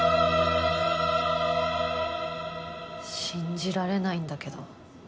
信じられないんだけど。